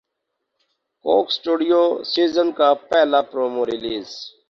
کوک Studio season کا پہلا promo release